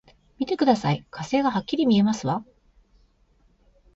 見てください、火星がはっきり見えますわ！